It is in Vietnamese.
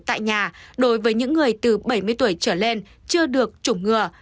tại nhà đối với những người từ bảy mươi tuổi trở lên chưa được chủng ngừa